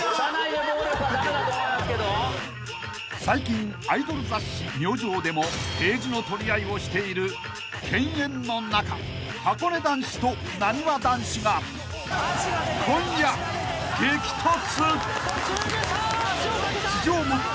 ［最近アイドル雑誌『Ｍｙｏｊｏ』でもページの取り合いをしている犬猿の仲はこね男子となにわ男子が今夜激突］